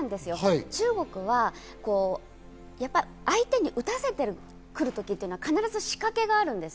中国は、相手に打たせてくるときというのは必ず仕掛けがあるんです。